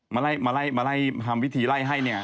มาไล่ทำวิธีไล่ให้เนี่ย